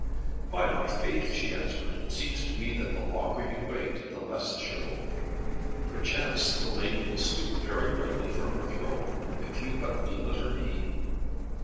"By my faith," she answered, "it seems to me that the longer you wait, the less is your hope. Perchance the lady will stoop very readily from her throne, if you but kneel at her knee."